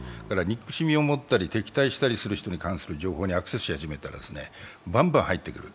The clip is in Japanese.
憎しみを持ったり敵対する人に関する情報にアクセスし始めたらバンバン入ってくる。